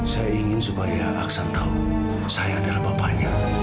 saya ingin supaya aksan tahu saya adalah bapaknya